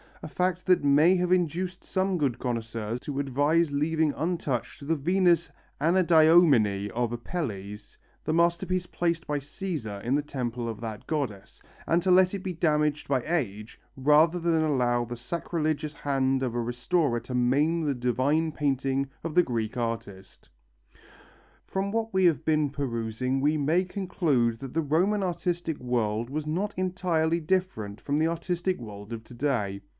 A fact that may have induced some good connoisseur to advise leaving untouched the Venus Anadyomene of Apelles, the masterpiece placed by Cæsar in the temple of that goddess, and to let it be damaged by age rather than allow the sacrilegious hand of a restorer to maim the divine painting of the Greek artist. From what we have been perusing we may conclude that the Roman artistic world was not entirely different from the artistic world of to day.